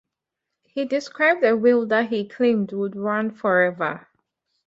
He described a wheel that he claimed would run forever.